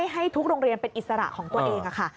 ให้ทุกโรงเรียนเป็นอิสระของตัวเองค่ะ